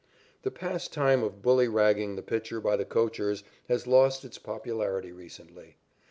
The pastime of bullyragging the pitcher by the coachers has lost its popularity recently.